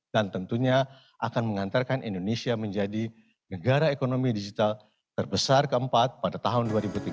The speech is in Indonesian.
dan tentunya akan mengantarkan indonesia menjadi negara ekonomi digital terbesar keempat pada tahun dua ribu tiga puluh